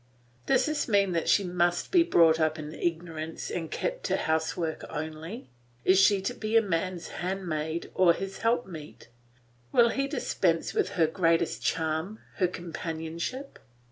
Does this mean that she must be brought up in ignorance and kept to housework only? Is she to be man's handmaid or his help meet? Will he dispense with her greatest charm, her companionship?